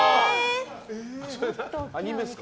アニメですか？